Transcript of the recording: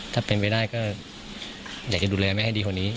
ถ้าเป็นไปได้ก็อยากจะดูแลแม่ให้ดีกว่านี้